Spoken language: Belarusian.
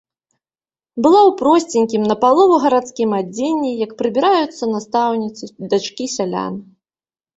Была ў просценькім, напалову гарадскім адзенні, як прыбіраюцца настаўніцы, дачкі сялян.